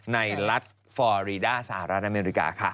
ในรัฐฟอรีด้าสหรัฐอเมริกาค่ะ